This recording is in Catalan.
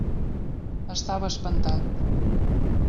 Estava espantat.